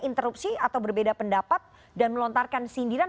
interupsi atau berbeda pendapat dan melontarkan sindiran